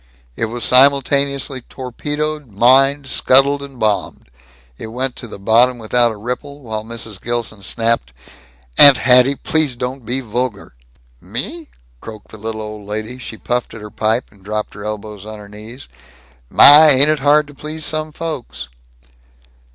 It was simultaneously torpedoed, mined, scuttled, and bombed. It went to the bottom without a ripple, while Mrs. Gilson snapped, "Aunt Hatty, please don't be vulgar." "Me?" croaked the little old lady. She puffed at her pipe, and dropped her elbows on her knees. "My, ain't it hard to please some folks."